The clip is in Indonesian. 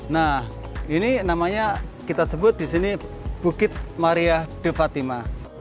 nah ini namanya kita sebut di sini bukit maria de fatima